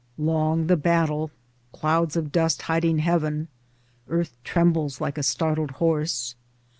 Long the battle, clouds of dust hiding heaven. Earth trembles like a startled horse.